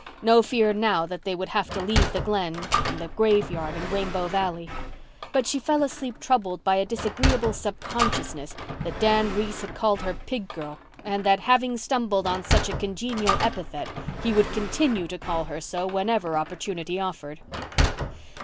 No fear now that they would have to leave the Glen and the graveyard and Rainbow Valley. But she fell asleep troubled by a disagreeable subconsciousness that Dan Reese had called her pig girl and that, having stumbled on such a congenial epithet, he would continue to call her so whenever opportunity offered.